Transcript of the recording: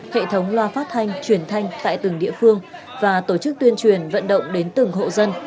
hệ thống loa phát thanh truyền thanh tại từng địa phương và tổ chức tuyên truyền vận động đến từng hộ dân